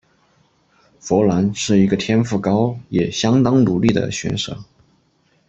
佛兰是一个天赋高也相当努力的选手。